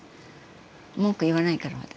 文句言わないから私。